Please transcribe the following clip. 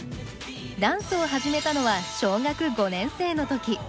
ダンスを始めたのは小学５年生の時。